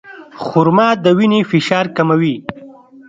خرما د وینې فشار کموي.